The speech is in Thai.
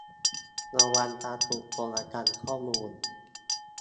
ระวังการถูกโจรกรรมข้อมูล